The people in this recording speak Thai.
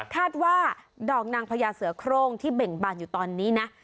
ว่าดอกนางพญาเสือโครงที่เบ่งบานอยู่ตอนนี้นะ